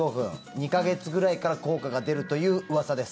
２か月ぐらいから効果が出るといううわさです。